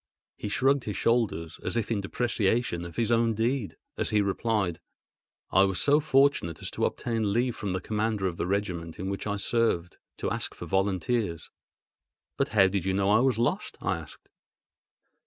He shrugged his shoulders, as if in depreciation of his own deed, as he replied: "I was so fortunate as to obtain leave from the commander of the regiment in which I served, to ask for volunteers." "But how did you know I was lost?" I asked.